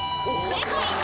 正解！